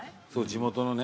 地元のね